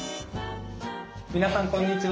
皆さんこんにちは。